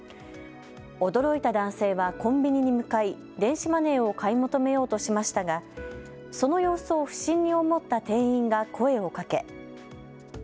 驚いた男性はコンビニに向かい電子マネーを買い求めようとしましたが、その様子を不審に思った店員が声をかけ。